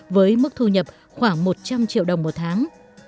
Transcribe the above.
với mức thu nhập khoảng một trăm linh triệu đồng một tháng